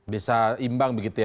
bisa imbang begitu ya